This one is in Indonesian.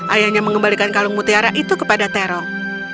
ayahnya mengembalikan kalung mutiara itu kepada terong